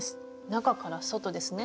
中から外ですね。